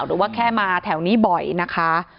หรือว่าแค่มาแถวนี้บ่อยนะคะ